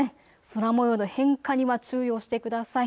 空もようの変化には注意をしてください。